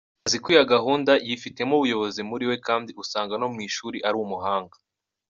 Azi kwiha gahunda, yifitemo ubuyobozi muri we kandi usanga no mu ishuri ari umuhanga.